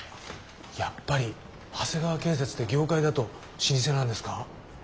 やっぱり長谷川建設って業界だと老舗なんですか？